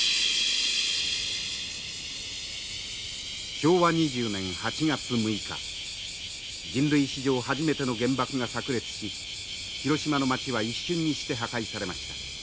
昭和２０年８月６日人類史上初めての原爆がさく裂し広島の町は一瞬にして破壊されました。